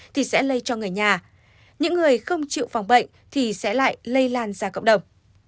thì sẽ lây cho người nhà những người không chịu phòng bệnh thì sẽ lại lây lan ra cộng đồng